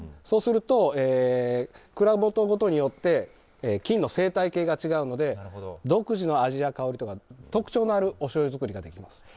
そうすると、蔵元ごとによって菌の生態系が違うので、独自の味や香りとか、特徴のあるおしょうゆ造りができます。